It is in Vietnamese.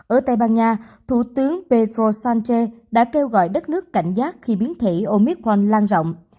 ở tây ban nha thủ tướng pedro sánche đã kêu gọi đất nước cảnh giác khi biến thể omicron lan rộng